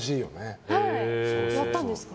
やったんですか？